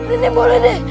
nenek boleh nek